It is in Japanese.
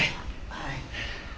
はい。